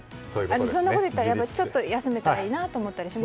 そんなこと言ったら、ちょっと休めたらいいなって思ったりします？